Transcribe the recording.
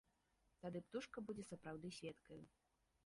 Тады птушка будзе сапраўды сведкаю.